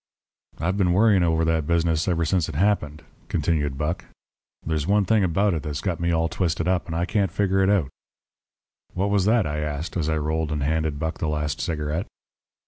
"I've been worrying over that business ever since it happened," continued Buck. "There's one thing about it that's got me all twisted up, and I can't figure it out." "What was that?" I asked, as I rolled and handed Buck the last cigarette.